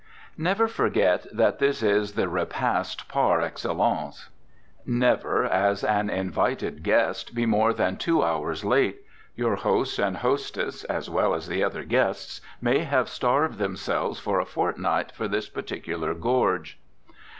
Never forget that this is the repast par excellence. Never, as an invited guest, be more than two hours late. Your host and hostess, as well as the other guests, may have starved themselves for a fortnight for this particular gorge.